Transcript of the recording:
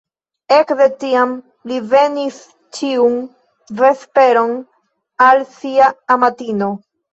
Ekde tiam li venis ĉiun vesperon al sia amatino.